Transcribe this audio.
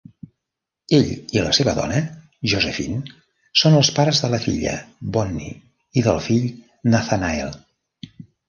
Ell i la seva dona, Josephine, són els pares de la filla, Bonnie i del fill, Nathanael.